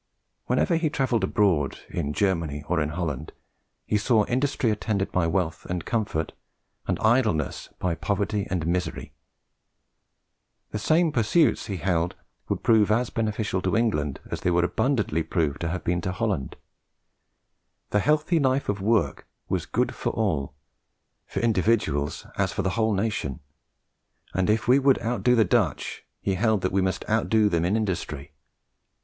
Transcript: Wherever he travelled abroad, in Germany or in Holland, he saw industry attended by wealth and comfort, and idleness by poverty and misery. The same pursuits, he held, would prove as beneficial to England as they were abundantly proved to have been to Holland. The healthy life of work was good for all for individuals as for the whole nation; and if we would out do the Dutch, he held that we must out do them in industry.